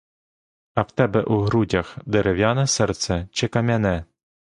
А в тебе у грудях дерев'яне серце чи кам'яне?